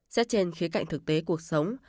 xét trên khía cạnh thực tế cuộc sống